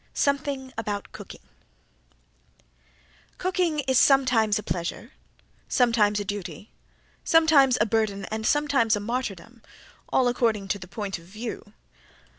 Something About Cooking Cooking is sometimes a pleasure, sometimes a duty, sometimes a burden and sometimes a martyrdom, all according to the point of view.